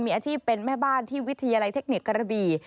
มีอาชีพเป็นแม่บ้านที่วิทยาลัยเทคนิคกระบี่